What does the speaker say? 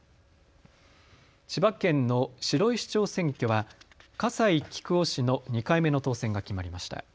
千葉県の白井市長選挙は笠井喜久雄氏の２回目の当選が決まりました。